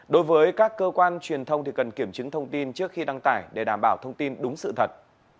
đối với các cơ quan truyền thông thì cần kiểm chứng thông tin trước khi đăng tải để đảm bảo thông tin đúng sự thật